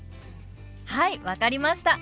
はい分かりました。